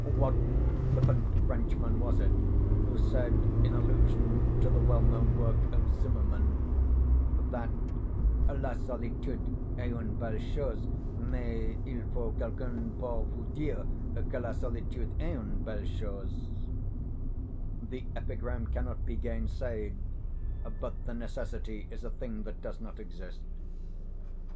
What flippant Frenchman was it who said in allusion to the well known work of Zimmerman, that, "la solitude est une belle chose; mais il faut quelqu'un pour vous dire que la solitude est une belle chose?" The epigram cannot be gainsayed; but the necessity is a thing that does not exist.